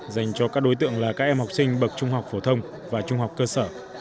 dành cho các đối tượng là các em học sinh bậc trung học phổ thông và trung học cơ sở